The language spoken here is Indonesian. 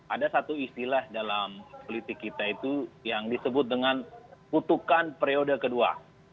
ada satu istilah dalam politik kita itu yang disebut dengan kutukan periode kedua